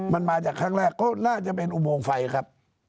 มันมาจากครั้งแรกก็น่าจะเป็นอุโมงไฟครับ